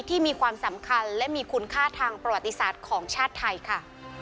ที่มีความสำคัญและมีคุณค่าทางประวัติศาสตร์ของชาติไทยค่ะ